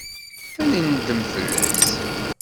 Ad nendem fell-as.